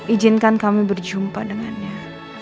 ijinkan kami berjumpa dengannya